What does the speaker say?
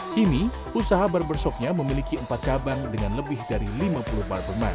kini usaha barbershopnya memiliki empat cabang dengan lebih dari lima puluh barberman